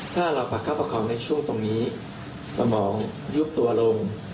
ถ้าเราประคับประคองในช่วงตรงนี้สมองยุบตัวลง